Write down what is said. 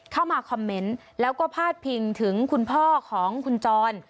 เข้ามาคอมเมนต์แล้วก็พาดพิงถึงคุณพ่อของคุณจร